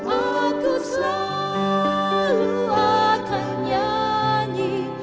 aku selalu akan nyanyi